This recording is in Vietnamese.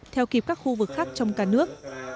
theo kịp các khu vực khác trong cả nước